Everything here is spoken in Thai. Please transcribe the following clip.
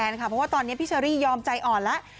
เพราะว่าตอนนี้พี่เชอรี่ยอมใจอ่อนแล้ว